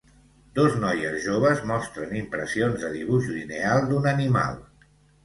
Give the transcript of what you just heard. Dos noies joves mostren impressions de dibuix lineal d'un animal.